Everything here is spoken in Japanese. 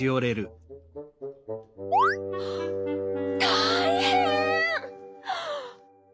たいへん！